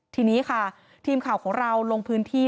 ทีนี้ค่ะทีมข่าวของเราลงพื้นที่